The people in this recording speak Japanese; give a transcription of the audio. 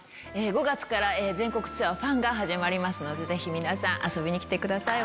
５月から全国ツアーが始まりますのでぜひ遊びに来てください